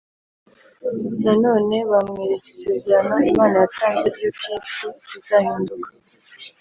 Nanone bamweretse isezerano Imana yatanze ry uko iyi si izahinduka